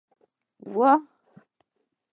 وه